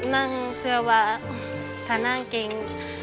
นั่งเสื้อว่าถ้านั่งเก่ง